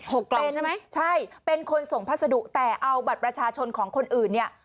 เป็นใช่ไหมใช่เป็นคนส่งพัสดุแต่เอาบัตรประชาชนของคนอื่นเนี่ย